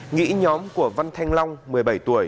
nghĩ nhóm của văn thanh long một mươi bảy tuổi